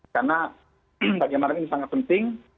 karena bagaimana ini sangat penting